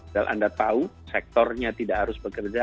dan anda tahu sektornya tidak harus bekerja